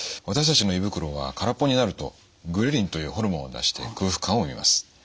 私たちの胃袋は空っぽになるとグレリンというホルモンを出して空腹感を生みます。